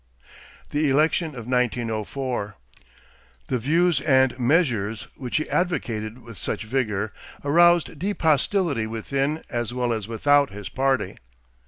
=The Election of 1904.= The views and measures which he advocated with such vigor aroused deep hostility within as well as without his party.